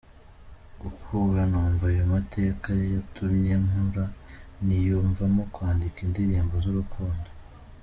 Gukura numva ayo mateka byatumye nkura niyumvamo kwandika indirimbo z’urukundo.